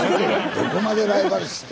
どこまでライバル視してんの。